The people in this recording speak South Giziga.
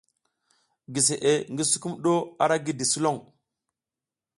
Giseʼe ngi sukumɗu ara gidi sulon.